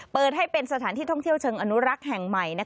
เปิดให้เป็นสถานที่ท่องเที่ยวเชิงอนุรักษ์แห่งใหม่